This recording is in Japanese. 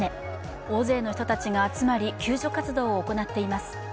大勢の人たちが集まり救助活動が始まっています。